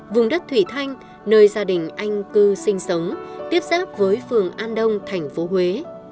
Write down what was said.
vùng đất thủy thanh nơi gia đình anh cư sinh sống tiếp giáp với phường an đông thành phố huế